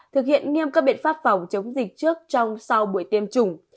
thực hiện nghiêm các biện pháp phòng chống dịch trước trong sau buổi tiêm chủng